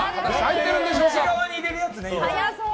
内側に入れるやつね。